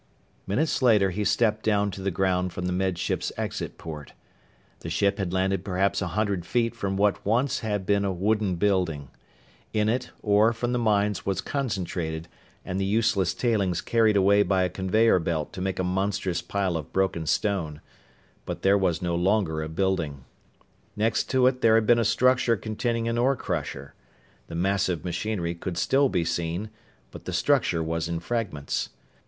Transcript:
Minutes later he stepped down to the ground from the Med Ship's exit port. The ship had landed perhaps a hundred feet from what once had been a wooden building. In it, ore from the mines was concentrated and the useless tailings carried away by a conveyer belt to make a monstrous pile of broken stone. But there was no longer a building. Next to it there had been a structure containing an ore crusher. The massive machinery could still be seen, but the structure was in fragments.